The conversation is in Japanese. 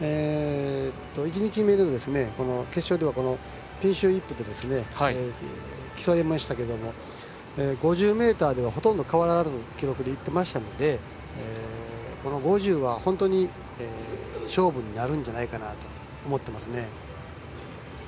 １日目の決勝ではピンシュー・イップと競いましたけども、５０ｍではほとんど変わらない記録でいっていましたので５０は本当に勝負になるんじゃないかと思います。